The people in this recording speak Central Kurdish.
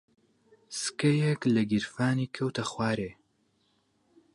سکەیەک لە گیرفانی کەوتە خوارێ.